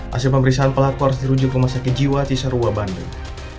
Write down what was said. hasil pemeriksaan pelaku harus dirujuk ke masyarakat jiwa cesarua bandung